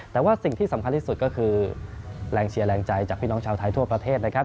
แต่ว่าสิ่งที่สำคัญที่สุดก็คือแรงเชียร์แรงใจจากพี่น้องชาวไทยทั่วประเทศนะครับ